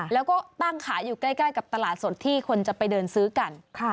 แล้วก็ตั้งขายอยู่ใกล้กับตลาดสดที่คนจะไปเดินซื้อกัน